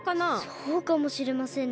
そうかもしれませんね。